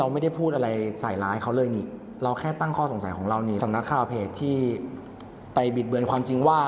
ไม่ได้พูดอะไรใสล้ายเขาเลยเราแค่จะตั้งข้อสงสัยของเราจากนักข้อเผยที่เป็นจริงไหม